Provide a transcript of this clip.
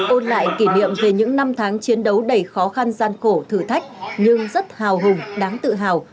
ôn lại kỷ niệm về những năm tháng chiến đấu đầy khó khăn gian khổ thử thách nhưng rất hào hùng đáng tự hào